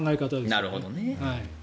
なるほどね。